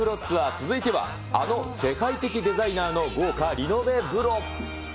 続いては、あの世界的デザイナーの豪華リノベ風呂。